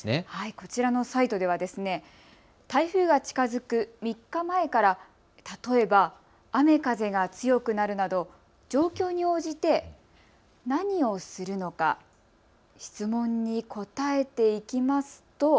こちらのサイトでは台風が近づく３日前から例えば、雨風が強くなるなど状況に応じて何をするのか質問に答えていきますと